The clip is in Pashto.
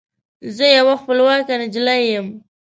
زه یوه خپلواکه نجلۍ یم